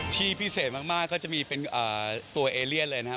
ที่พิเศษมากก็จะมีเป็นตัวเอเลียนเลยนะครับ